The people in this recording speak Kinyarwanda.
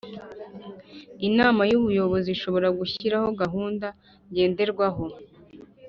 Inama y ubuyobozi ishobora gushyiraho gahunda ngenderwaho